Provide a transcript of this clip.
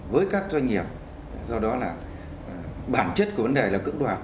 với các doanh nghiệp do đó là bản chất của vấn đề là cưỡng đoạt